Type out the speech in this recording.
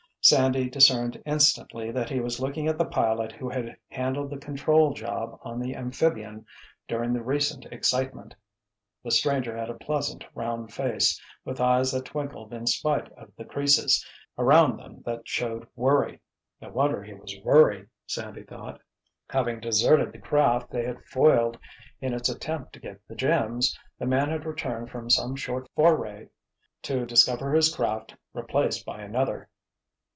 Sandy discerned instantly that he was looking at the pilot who had handled the control job on the amphibian during the recent excitement. The stranger had a pleasant, round face, with eyes that twinkled in spite of the creases around them that showed worry. No wonder he was worried, Sandy thought: having deserted the craft they had foiled in its attempt to get the gems, the man had returned from some short foray to discover his craft replaced by another.